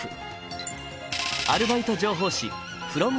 アルバイト情報誌